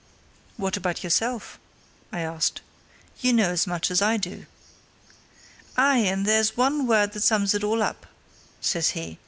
"What about yourself?" I asked. "You know as much as I do." "Aye, and there's one word that sums all up," said he.